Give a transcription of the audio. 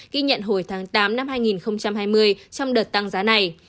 ghi nhận hồi tháng tám năm hai nghìn hai mươi trong đợt tăng giá này